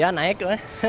ya naik lah